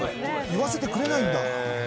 言わせてくれないんだ。